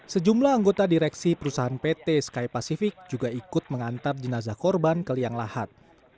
sejumlah anggota direksi perusahaan pt sky pacific juga ikut mengantar jenazah korban ke liang lahat